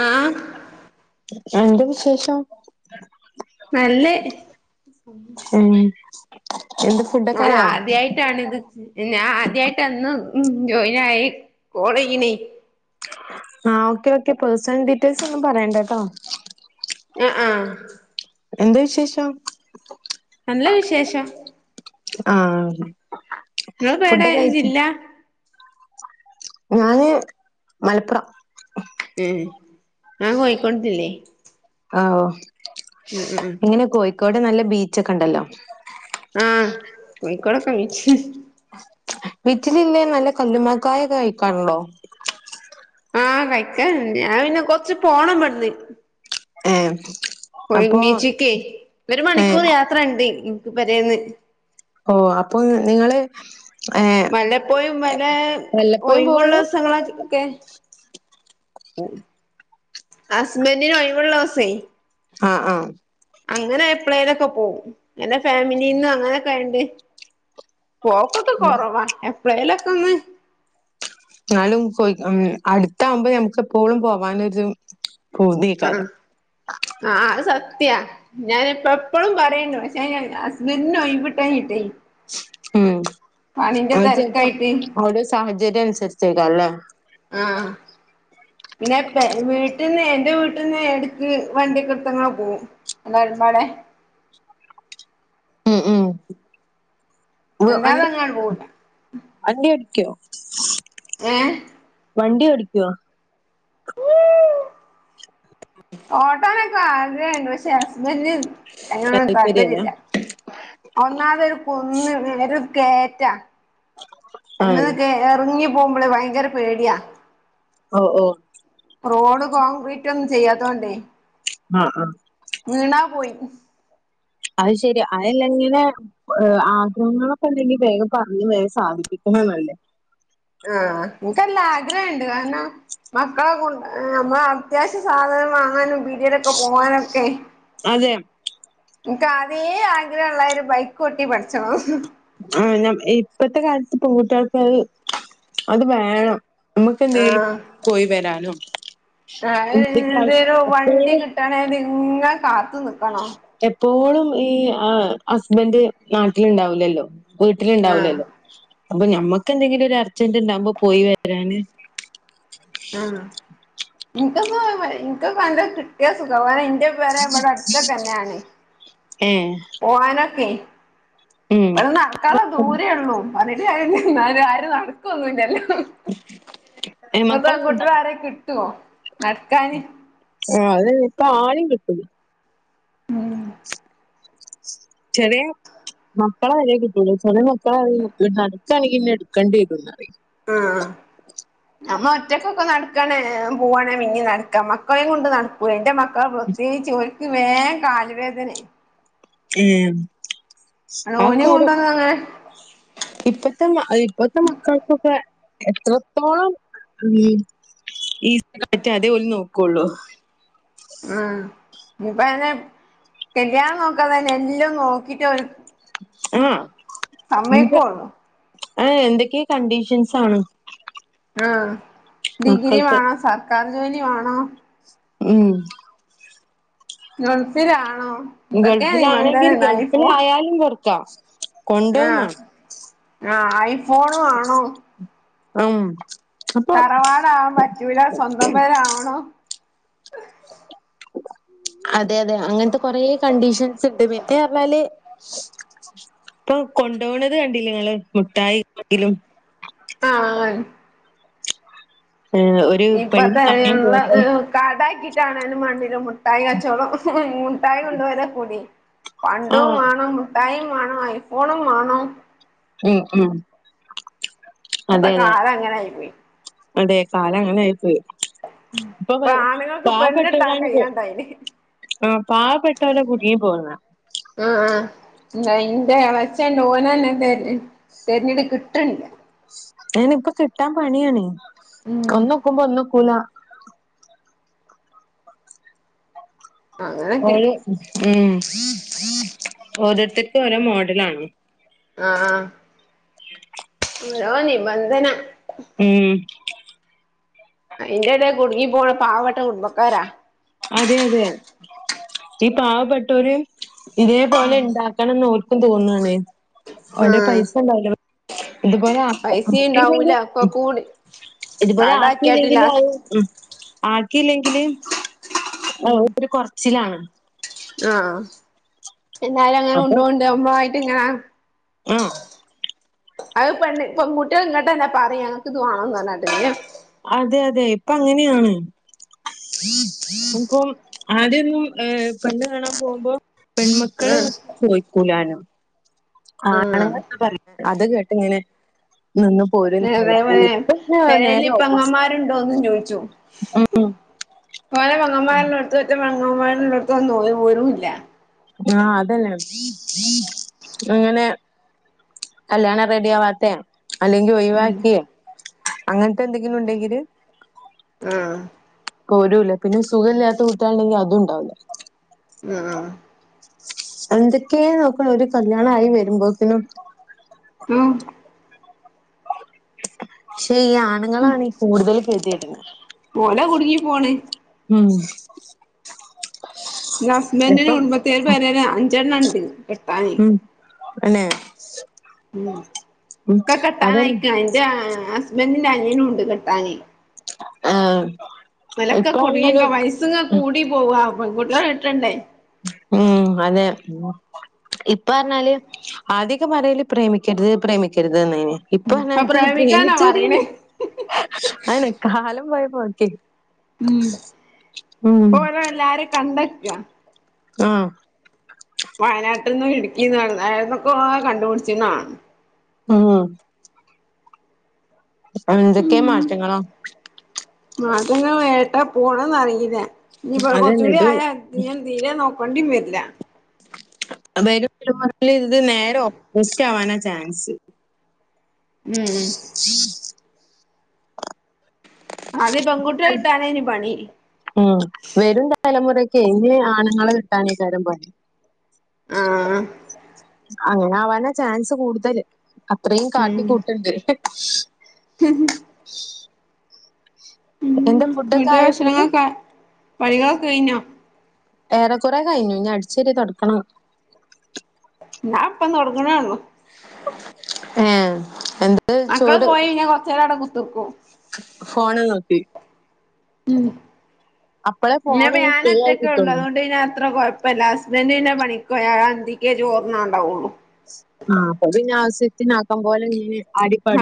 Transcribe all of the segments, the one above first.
ആ ആ എന്താ വിശേഷം നല്ലെ ഉം എന്ത് ഫുഡൊക്കെ ഞാൻ ആയോ ആദ്യായിട്ടാണ് ഇത് ഞാൻ ആദ്യായിട്ടാണ് ! ! ! ! ! ! ! ! ! !! ! ! ! ! ! ! ! ! ! അ ആ എന്താ വിശേഷം നല്ല വിശേഷം ആ നിങ്ങള്പ്പേടെ ജില്ല ഞാന് മലപ്പുറം ഉം ഞാൻ കോഴിക്കോട് ജില്ലെ ആ ഓ ഉം ഉം ഉം ക്കോട് നല്ല ബീച്ചൊക്കെണ്ടല്ലോ ആഹ് [unintelligible] ബീച്ച് ബീച്ചിലില്ലേ നല്ല കല്ലുമക്കായൊക്കെ കഴിക്കാറുണ്ടോ ആ കൈക്കണ്ട് ഞാൻ പിന്നെ കൊർച്ച് പോണം ഇബട്ന്ന് ഏ ഓ ബീച്ച്ക്കെ ഒരു ഏഹ് മണിക്കൂറ് യാത്രണ്ടീ ഇൻക്ക് പെരേന്ന് ഓ അപ്പൊ നിങ്ങള് ഏഹ് മലെ പോയി മലെ വല്ലപ്പോഴും പോവുള്ളൂ ഒഴിവുള്ളസങ്ങളൊക്കെ ഹസ്ബെന്റിന് ഒഴിവോള്ളസേ ആ ആ അങ്ങനെ എപ്പളേലൊക്കെ പോവും പിന്നെ ഫാമിലീന്നൊ അങ്ങനൊക്കായാണ്ട് പോക്കൊക്കെ കൊറവാ എപ്പളേലൊക്കൊന്ന് എന്നാലും പൊയ് ഉം അടുത്താമ്പം ഞമക്ക് എപ്പോഴും പോകാനൊരു പൂതികാരം ത്യാ ഞാനിപ്പം എപ്പളും പറയുന്നു ക്ഷേ ഹസ്ബെന്റിന് ഒഴിവിട്ടാഞ്ഞിട്ടെ ഉം അത് ചെലപ്പോ ഓരോ സാഹചര്യം അനുസരിച്ചേക്കാരല്ലേ ആ പിന്നെ പെ വീട്ടിന്നെ എന്റെ വീട്ടിന്നെ എട്ക്ക് വണ്ടിക്കെടുത്തങ്ങനെ പോവും [unintelligible] ഉം ഉം വ്വ് വണ്ടി അല്ലാതങ്ങാട് പോവൂല വണ്ടി ഓടിക്കോ ഏ വണ്ടി ഓടിക്കുവോ ഓട്ടാനൊക്കെ ആഗ്രഹണ്ട് പക്ഷെ ഹസ്ബെന്റ് അയിനൊട് താല്പര്യല്ല താല്പര്യയില്ല ഒന്നാത് ഒരു കുന്ന് ഒരു കേറ്റ ആഹ് അങ്ങനൊക്കെ എറങ്ങി പോകുമ്പളേ ഭയങ്കര പേടിയാ ഓ ഓ റോഡ് കോൺക്രീറ്റ് ഒന്നും ചെയ്യാത്തോണ്ടേ ആ ആ വീണാ പോയി അയ് ശെരി അയ് അല്ലെങ്കിലെ ഏ ആഗ്രഹങ്ങളൊക്കെ ഇണ്ടെങ്കി വേഗം പർഞ്ഞ് വേം സാധിപ്പി അതാ നല്ലെ ആ ഇൻക്ക് അല്ല ആഗ്രഹം ഇണ്ട് കാര്ണം മക്കളെ കൊണ്ട് ഏ അമ്മളെ അത്യാവ്ശ്യ സാധനം വാങ്ങാനും പീഡെലൊക്കെ പോവാനൊക്കെ അതെ ഇൻക്ക് ആതേ ആഗ്രഹം ഇള്ളെയ് ഒര് ബൈക്കോട്ടി പഠിച്ചെണംന്ന് ആ ഞാം ഇപ്പഴ്ത്ത് കാൽത്ത് പെങ്കുട്ടാൾക്ക് അയ് അത് വേണം നമ്മ്ക്ക് എന്തെലും പോയി വെരാനും അ അയ് എന്തെരു വണ്ടി എപ്പോഴും കിട്ടാനായാലും ഇങ്ങനെ കാത്ത് നിക്കണോ പ്പം ഈ ആ ഹസ്ബെന്റ് നാട്ട്ൽ ഇണ്ടാവ്‌ലല്ലോ വീട്ട്ൽ ആഹ് ഇണ്ടാവ്‌ലല്ലോ അപ്പ ഞമ്മെക്ക് എന്തെങ്കിലും ഒര് അർജെന്റ് ഇണ്ടാവുമ്പം പോയി വരാന് ആ ഇൻക്ക് അപ്പോ ഭയ ഇൻക്ക് അപ്പോ ഭയകര കിട്ടിയാ സുഖമായി ന്റെ പെര ഇബെടെ അട്ത്തൊക്കെന്നെയാണ് ഏ പോവാനൊക്കെയ് ഉം ഇബട്ന്ന് നട്ക്കാള്ളെ ദൂരെ ഒള്ളു പർണിട്ട് കാര്യ ഇല്ല ഇന്ന് ആരും ആരും നട്ക്കൊന്നും ഇല്ലല്ലോ ഏ ഇപ്പത്തെ മക്കളൊക്കെ ഉണ്ടോ കുട്ടെളെ ആരിം കിട്ട് ട്ടോ നട്ക്കാന് ഇപ്പം ആരിം കിട്ടൂലാ ഉം ചെറിയ മക്കളെ വെരെ കിട്ടുലാ ചെറെ മക്കളാണെങ്കിൽ നട്ക്കാണെങ്കിൽ ഇന്നെ ഇട്ക്കെണ്ടി വെരുംന്നറിയെ ആ ആ നമ്മൾ ഒറ്റക്കൊക്കെ നടക്കാണെൽ വേം പോവാണേൽ വേംനടക്കാ മക്കളെം കൊണ്ട് നട്ക്കൂലെ ന്റെ മക്ക ക്കൾ പ്രത്യേകിച്ച് ഓര്ക്ക് വേം കാൽ വേദനെയ് ഉം ഓനിം കൊണ്ടൊന്നും [unintelligible] അങ്ങനെ ഇപ്പത്തെ മക്കൾക്കൊക്കെ എത്രത്തോളം ഈ [unintelligible] അതേ ഓൽ നോക്കൊള്ളു ഇപ്പ അങ്ങനെ കല്ല്യാണം നോക്കാൻ തെന്നെ എല്ലൊയും നോക്കിട്ട് ഓര് ആഹ് സമ്മെയ്ക്കൊള്ളു അയ് എന്തൊക്കെ കണ്ടീഷെൻസാണ് ആ ഡിഗ്രി വാണം സർക്കാർ ജോലി വാണോ ഉം ഗൾഫിലാണോ എന്തൊക്കെ നിബന്ധന ഗൾഫിലാണെങ്കിൽ ഗൾഫിലായാലും പൊർക്കാ ആ ആ ഐഫോണ് വാണോ ഉം അപ്പൊ തറവാടാവാൻ പറ്റുലാ സ്വന്തം പെരാവണം അതെ അതെ അങ്ങൻത്തെ കൊറേ കണ്ടീഷെൻസ് ഇണ്ട് മറ്റെയ് പർണാൽ ഇപ്പൊ കൊണ്ടോവ്ണെത് കണ്ടില്ലേ ഇങ്ങൾ മുട്ടായി പെട്ടിലും ആ ആ കൺ ഏഹ് ഒരു പെണ്ണ് ഇപ്പത്തെ അയ് കാണാൻ ഇള്ള പോകുമ്പോ എ് കടാക്കി ട്ടാണെലും മാണ്ടീലാ മുട്ടായി കച്ചോളം മുട്ടായി കൊണ്ട് വെരെ പുടി പണ്ടും ആഹ് മാണം മുട്ടായിം മാണം ഐഫോണും മാണം ഉം ഉം ഇപ്പത്തെ അതെ അതെ കാലം അങ്ങനെ ആയി പോയി അതെ കാലം അങ്ങനെ ആയിപ്പോയി ഇപ്പൊ ഇപ്പപ്പെയ് ആണുങ്ങൾക്ക് പെണ്ണിട്ടാൻ പാവപെട്ടോലാണ് ഇത് കയ്യാണ്ടായിന് ആ പാവപ്പെട്ടോലാ കുട്ങ്ങി പോവ്ന്നെ ഇന്നാ ഇന്റെ എളച്ചെൻ ഇണ്ട് ഒനെന്നെ തെര് തെര്ഞ്ഞ്ട്ട് കിട്ടെണ്ടെ അയിന് ഇപ്പ കിട്ടാൻ പണിയണേ ഉം ഒന്ന് ഒക്കുമ്പോ ഒന്ന് ഒക്കൂലാ അങ്ങനൊക്കെ ഓരോ ഉ ഓരോരുത്തർക്ക ഓരോ മോഡലാണ് ആഹ ആഹ ഓരോ നിബന്ധന ഉം എന്റെട കുടുങ്ങി പോണ പാവട്ട കുടുംബക്കാരാ അതെ അതെ ഈ പാവപ്പെട്ടവര് ഇതേപോലെ ഉണ്ടാക്കണംന്ന് ഓർക്കും തോന്നാണ് ഒ ആഹ് പൈസ ഉണ്ടാവല ഇതുപോലെ പൈസയും ഉണ്ടാവൂല ഒക്കെ കൂടി ഇതുപോലെ കടാക്കിയാട്ടില്ല ആക്കിയില്ലെങ്കിലും [unintelligible] ല്ലെങ്കില് ഒരു കൊറച്ചിലാണ് ആഹ എന്നാലും അങ്ങനെ ഉണ്ടണ്ട്പയിട്ട് ഇങ്ങനാ ആഹ അത് പെണ്ണ ഇപ്പൊ മുട്ടിക ഇങ്ങട്ട തന്നെ പറയുംഞനക്ക് ഇത് വാണം പറഞ്ഞാട്ട് അതെ അതെ ഇപ്പൊ അങ്ങനെയാണ് ഇമപ്പൊ ആദ്യൊന്നും പെണ്ണ് കാണാൻ പോകുമ്പോ പെൺമക്കളെ ചോയിക്കൂലാനും ഉം ആണ ഉം പറ അത് കേട്ട് ഇങ്ങനെ നിന്ന പോര അതേപോലെ നേര പെരേല് ഓപ്പോസിറ്റ പെങ്ങന്മാരുണ്ടോന്നും ഉ പോനെ മങ്ങന്മാല്ലള്ളോടത്തും മറ്റേ മങ്ങമാരിള്ളോടത്തന്നോ പോരും ഇല്ല ആഹ അതന്നെ അങ്ങനെ കല്യാണ റെഡിയ ആവത്ത അല്ലെങ്കി ഒഴിവാക്കിയ അങ്ങനത്തെ എന്തെങ്കിലും ണ്ടെങ്കില് ആഹ് പോരൂല പിന്നെ സുഖ ഇില്ലാത്ത കുട്ടികളുണ്ടെങ്കിൽ അതുംണ്ടാവില്ല ഉം എന്തൊക്കെയ നോക്കണ ഒരു കല്യാണമായി വരുമ്പോക്കിനും ഉം പക്ഷെ ഈ ആണുങ്ങളാണ് കൂടുതൽ കേതിയിട്ടുന്നത് [unintelligible] ഉം എന്റെ ഹസ്ബൻന്റിന് ഇപ്പം കുടുംബത്തേര് പരല്ലേ അഞ്ചെണ്ണം ണ്ട് കെട്ടാന് എന്നെ ഉ ഒക്കെ കെട്ടാൻ അതന്നെ ആയിക്ക അന്റെ അനിയനും ഉണ്ട് കെട്ടാന് ആഹ വലക്കെ കുടുങ്ങിക്ക വയസ്സ്ങ്ങനെ ഉം കൂടി പോവ കുട്ടിയളെ കിട്ടണ്ടെ ഉം അതെ ഇപ്പ പറഞ്ഞാല് അധികമറയില് പ്രേമിക്കരുത് പ്രേമിക്കരുത് അന്ന ഇപ്പ അപ്പൊ എനിക്കൊന്ന് പ്രേമിക്കാനാ പ്രേമിച്ചോട പറയണേ അനെ കാലം പോയ പോക്കെ ഉം ഉം പോല എല്ലാരും കണ്ടക്ക ആഹ വയനാട്ടിൽ നിന്നും ഇടുക്കിന്ന് ഏട്ന്നക്കൊ കണ്ട് പുടിച്ച്ണ ആഹ അന്തക്കേ മാറ്റങ്ങളാ മാറ്റങ്ങൾ ഏട്ടാ പോണന്ന് അറിയില്ല നീപ്പ അതന്നെ കൊറച്ചൂടി ഇത് ആയാൻ തീരെ നോക്കേണ്ടി വര്ല വരുംലമൽ ഇത് നേരെ ഓപ്പോസിറ്റാവാന ചാൻസ് ഉം ആദ്യം പെൺകുട്ടികളെ കിട്ടാനേനി പണി ഉം വരും തലമുറക്ക് ക്കെ ഇങ്ങനെ ആണുങ്ങള് കിട്ടാനെകാര്യം പണി ആഹ്. അങ്ങനെ ആവാനാ ചാൻസ് കൂടുതല് അത്രയും ഉം കാട്ടിക്കൂട്ടണ്ട് [unintelligible] ഉം എന്റെ ഫുഡൊക്കെ വീട്ടിലെ ആയോ പിന്നെ ഭക്ഷണങ്ങളൊക്കെ പണികളൊക്കെ കഴിഞ്ഞോ ഏറെ കുറെ കഴിഞ്ഞു ഇനി അടിച്ച് വാരി തൊടക്കണം ഞാൻ ഇപ്പ തൊടങ്ങ്ണേ ഒള്ളൂ ഏഹ് എന്റെ മക്കള് ചോറ് പോയി ഇനി കൊറച്ച് നേരം അവടെ കുത്തർക്കും ഫോണ് നോക്കി ഉം അപ്പളേ ഇനി ഫോണ് ബാൻ ഫ്രീ ആയി ഒറ്റക്കെ ഉള്ളൂ കിട്ടുള്ളൂ. അതുകൊണ്ട് പിന്നെ അത്ര കൊഴപ്പില്ല ഹസ്ബൻഡ് പിന്നെ പണിക്ക് പോയ അന്തിക്കേ ചോറുണ്ണാൻ ഉണ്ടാവുള്ളു ആ അപ്പ പിന്നെ ആവശ്യത്തിന് ആക്കാൻ പോലെ മീന്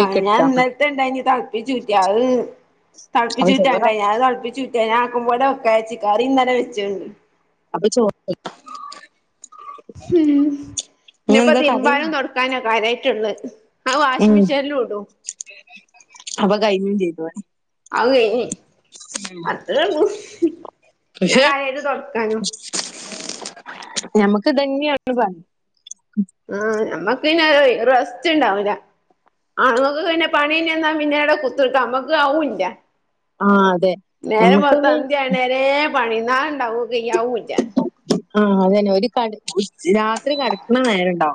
ആ ഞാൻ ഇന്നലത്തെ ഉണ്ടായിനി തെളപ്പിച്ചൂറ്റി അത് അപ്പൊ തെളപ്പിച്ച് ഊറ്റാൻ ഉണ്ടായി ചോറായി. ഞാൻ അത് തെളപ്പിച്ചൂറ്റി ഞാൻ ആക്കുമ്പോലെ വെക്കാരിച്ച് കറി ഇന്നലെ വെച്ചുണ്ട് അപ്പം ചോ [unintelligible] ഉം ഇനിയപ്പോ ഇന്നെന്താ കറി? തിരുമ്പാനും തൊടക്കാനുവ കാര്യായിട്ടുള്ളെ ആ ഉം വാഷ്മിഷനിലും ഇടും കഴിഞ്ഞ് ചെയ്ത് പണി അത് കഴിഞ്ഞ് അത്രേ ഒള്ളു ഞാൻ പക്ഷെ കാര്യായിട്ട് തൊടക്കാനും ഞമ്മക്ക് ഇതന്നെയാണ് പണി ആ നമ്മക്ക് പിന്നെ റസ്റ്റ് ഉണ്ടാവൂല ആണുങ്ങക്ക് പിന്നെ പണി കഴിഞ്ഞ് വന്നാ പിന്നെ കുത്ത്ര്ക്ക നമ്മക്ക് അതുല്ല ആഹ് അതെ. നേരം വെളുത്ത ഞമ്മക്കന്നെ അന്തി ആവണ വരേ പണിന്നാ ഞാ ആ അതന്നെ ഒരു കട് രാത്രി കെടക്കണ നേരണ്ടോ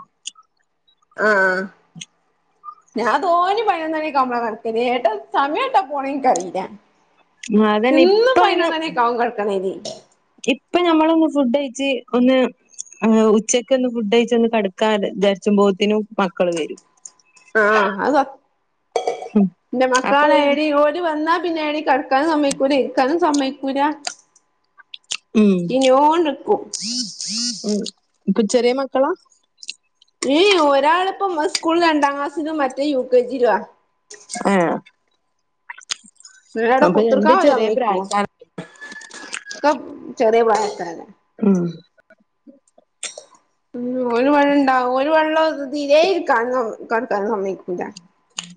ആ ഞാൻ തോന്നി പതിനൊന്നണിക്കാവുമ്പളാ കടക്കെ ഏട്ടാ സമയം ഏട്ടാ പോണെങ്കനിക്കറിയില്ല ആഹ് അതന്നെ എന്നും ഇപ്പാണ് പതിനൊന്ന് മണിയൊക്കെ ആവും കെടക്കണെങ്കി ഇപ്പൊ ഞമ്മള് ഒന്ന് ഫുഡ് കഴിച്ച് ഒന്ന് ആ ഉച്ചക്ക് ഒന്ന് ഫുഡ് കഴിച്ചൊന്ന് കെടക്കാ വിചാരിച്ചാമ്പോത്തേനും മക്കള് വരും ആ അതാ ഉം എന്റെ അപ്പൊ മക്കാണ് ഏടി ഓര് വന്നാ പിന്നെയാണി കെടക്കാനും സമ്മതിക്കൂല ഇരിക്കാനും സമ്മതിക്കൂല ഉം ചീഞ്ഞോണ്ട് നിക്കും ഉം ഇപ്പൊ ചെറിയ മക്കളാ ഏ എ ഒരാളിപ്പം ഉസ്കൂള് രണ്ടാം ക്ലാസ്സിലും മറ്റേത്ത് യു കെ ജിലും ആ ആ ഞ്ഞ് എവ്ടെ കുത്തിർക്കാൻ ഓര് ചെറിയ സമ്മതിക്കോ പ്രായക്കാര ക്ക ചെറിയ പ്രായക്കാര ഉം ഉം ഓല് വടണ്ടാവും ഓല് വെള്ള ദിവസം തിരെ ഇരിക്കാനും കേടക്കാനും സമ്മയിക്കൂല്ല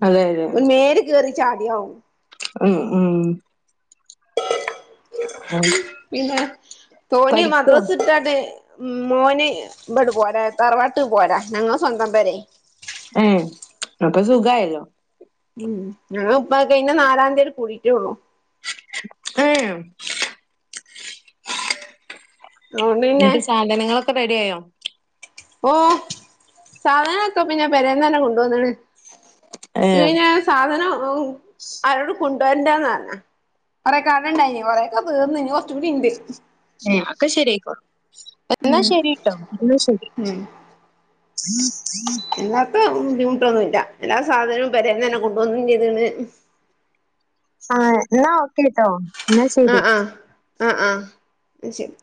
അതെ അതെ മേല് കയറി ചാട്യാളും ഉം- ഉം പിന്നെ തോന്നിയ പഠിക്കുവാ മദ്രാസ് ഇട്ടാട്ടെ ഉം മോന് ഇബട് പോരാ തറവാട്ട് പോരാ ഞങ്ങള് സ്വന്തം പെരെ ഏ അപ്പൊ സുഖായല്ലോ ഉം ഞങ്ങള് ഇപ്പ കഴിഞ്ഞ നാലാം തീയതി കൂടിട്ടേ ഉള്ളൂ ഏ അതുകൊണ്ട് പിന്നെ എന്നിട്ട് സാധനങ്ങളൊക്കെ റെഡിയായോ ഓ സാധനങ്ങളൊക്കെ പിന്നെ പെരേന്നന്നെ കൊണ്ട് വന്നേണ് ഏഹ് ഇല്ലെങ്കി ഞാൻ സാധനം ഊ ആരോടും കൊ ണ്ട് വരണ്ടാന്ന് പറഞ്ഞ കൊറെ [unintelligible] ഇനി കൊറേക്ക തീർന്ന് ഇനി കൊറച്ചും കൂടി ഇണ്ട്. ഏ ഒക്കെ ശെരിയായിക്കോളും എന്നാ ശരി കേട്ടോ എന്നാ ശരി [inaudible] എന്നാപ്പ ഉം ബുദ്ധിമുട്ടൊന്നുഇല്ല എല്ലാ സാധനവും പെരേന്ന് തന്നെ കൊണ്ടുവന്നും ചെയ്തേക്കണ് ആ എന്നാ ഓക്കേട്ടോ എന്ന ശരി ആ ആ എന്ന ശരി